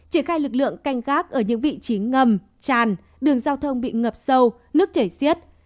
triển khai lực lượng canh gác ở những vị trí ngầm tràn đường giao thông bị ngập sâu nước chảy xiết